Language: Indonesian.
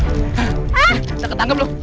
kita ketanggal belum